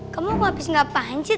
kamu ngapain sih